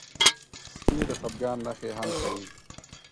سپي د خپګان نښې هم ښيي.